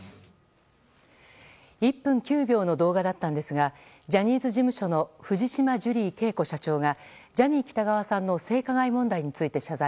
１分９秒の動画だったんですがジャニーズ事務所の藤島ジュリー景子社長がジャニー喜多川さんの性加害問題について謝罪。